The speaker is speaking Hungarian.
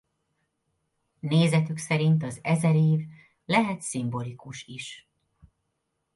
Nézetük szerint az ezer év lehet szimbolikus is.